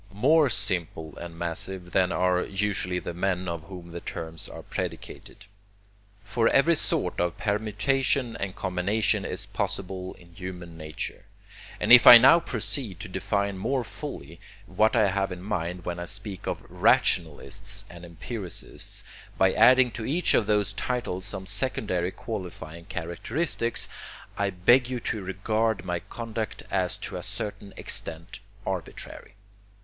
More simple and massive than are usually the men of whom the terms are predicated. For every sort of permutation and combination is possible in human nature; and if I now proceed to define more fully what I have in mind when I speak of rationalists and empiricists, by adding to each of those titles some secondary qualifying characteristics, I beg you to regard my conduct as to a certain extent arbitrary.